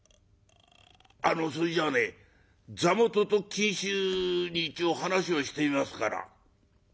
あのそれじゃあね座元と金主に一応話をしてみますから」。